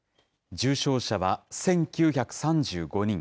重症者は１９３５人。